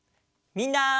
みんな。